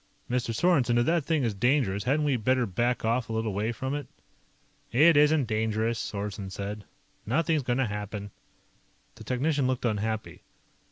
Mr. Sorensen, if that thing is dangerous, hadn't we better back off a little way from it?" "It isn't dangerous," Sorensen said. "Nothing's going to happen." The technician looked unhappy.